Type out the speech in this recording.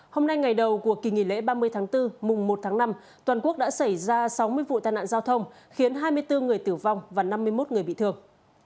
hôm nay ngày đầu của kỳ nghỉ lễ ba mươi tháng bốn mùng một tháng năm toàn quốc đã xảy ra sáu mươi vụ tai nạn giao thông khiến hai mươi bốn người tử vong và năm mươi một người bị thương